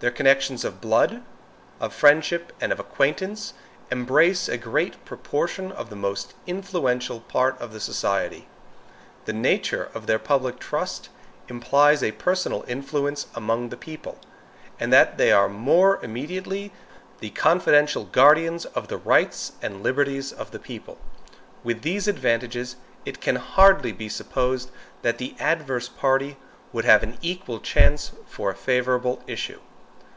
Their connections of blood, of friendship, and of acquaintance embrace a great proportion of the most influential part of the society. The nature of their public trust implies a personal influence among the people, and that they are more immediately the confidential guardians of the rights and liberties of the people. With these advantages, it can hardly be supposed that the adverse party would have an equal chance for a favorable issue.